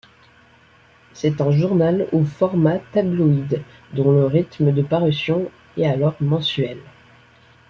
C'est un journal au format tabloïd dont le rythme de parution est alors mensuel.